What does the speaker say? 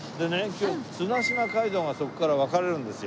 今日綱島街道がそこから分かれるんですよ。